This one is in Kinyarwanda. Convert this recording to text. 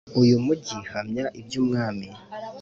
uyu mugi Hamya iby Ubwami